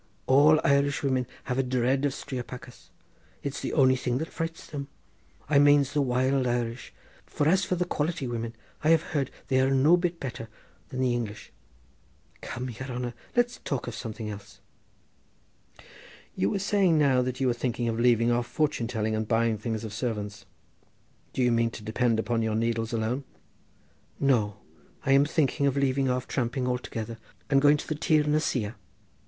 All Irish women have a dread of striopachas. It's the only thing that frights them; I manes the wild Irish, for as for the quality women I have heard they are no bit better than the English. Come, yere hanner, let's talk of something else." "You were saying now that you were thinking of leaving off fortune telling and buying things of servants. Do you mean to depend upon your needles alone?" "No; I am thinking of leaving off tramping altogether and going to the Tir na Siar."